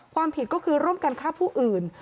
ความผิดก็คือร่วมกันฆ่าผู้อื่น